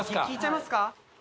聞いちゃいますか？